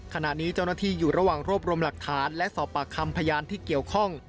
ขณะนี้เจ้าหน้าที่อยู่ระหว่างรวบรวมหลักฐานและสอบปากคำพยานที่เกี่ยวข้อง